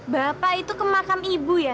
bapak itu ke makam ibu ya